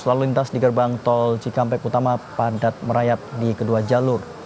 lalu lintas di gerbang tol cikampek utama padat merayap di kedua jalur